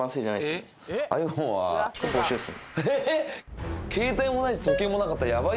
えっ！